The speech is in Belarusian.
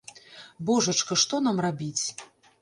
Божачка, што нам рабіць?